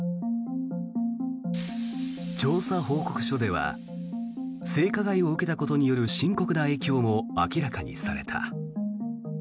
調査報告書では性加害を受けたことによる深刻な影響も明らかにされた。